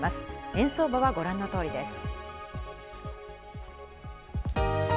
円相場はご覧の通りです。